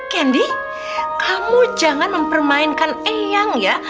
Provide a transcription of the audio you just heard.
kendi kamu jangan mempermainkan eyang ya